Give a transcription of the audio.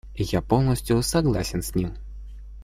Я полностью согласен с ним.